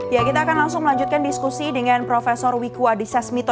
ya kita akan langsung melanjutkan diskusi dengan prof wiku adhisa smito